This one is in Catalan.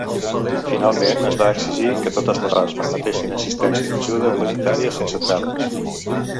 Finalment, es va exigir que totes les parts permetessin assistència d'ajuda humanitària sense traves.